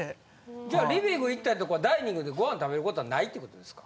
じゃあリビング行ったりとかダイニングでご飯食べることはないってことですか？